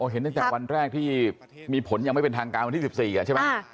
เห็นตั้งแต่วันแรกที่มีผลยังไม่เป็นทางการวันที่๑๔ใช่ไหม